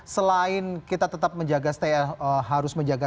selain kita tetap harus menjaga